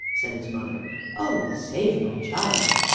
said his mother. "Oh, save my child!"